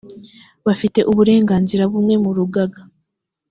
bafite uburenganzira bumwe mu rugaga